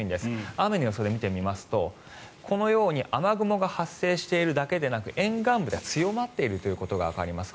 雨の予想で見てみますとこのように雨雲が発生しているだけでなく沿岸部では強まっているということがわかります。